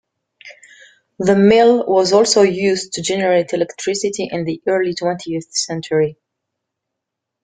The mill was also used to generate electricity in the early twentieth century.